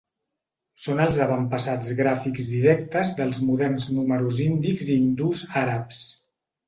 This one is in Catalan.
Són els avantpassats gràfics directes dels moderns números índics i hindús-àrabs.